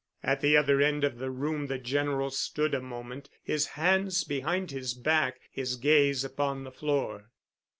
At the other end of the room the General stood a moment, his hands behind his back, his gaze upon the floor.